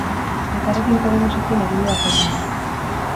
Elkarrekin podemosekin egin du akordioa.